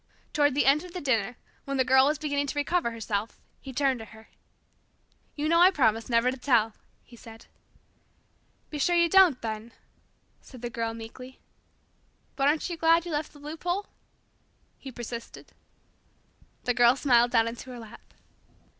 Toward the end of the dinner, when the Girl was beginning to recover herself, he turned to her. "You know I promised never to tell," he said. "Be sure you don't, then," said the Girl meekly. "But aren't you glad you left the loophole?" he persisted. The Girl smiled down into her lap.